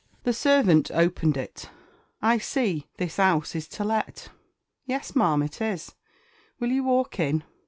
The servant opened it. "I see this 'ouse is to let." "Yes, ma'am, it is; will you walk in?"